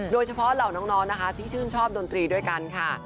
โดยเฉพาะเหล่าน้องที่ชื่นชอบดนตรีด้วยกันค่ะ